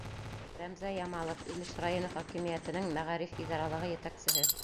Рәмзә ЯМАЛОВ, Илеш районы хакимиәтенең мәғариф идаралығы етәксеһе: